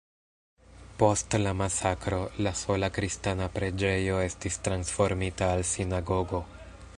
Post la masakro, la sola kristana preĝejo estis transformita al sinagogo.